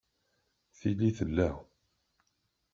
Tili tella.